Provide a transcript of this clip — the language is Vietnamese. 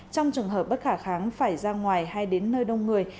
trong trường hợp bất khả kháng phải ra ngoài hay đến nơi đông người